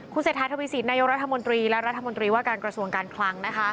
คุณเศษฐานธวิสิทธิ์นายโยครัฐมนตรีและรัฐมนตรีว่าการกระทรวงการคลัง